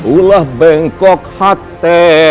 ulang bengkok hati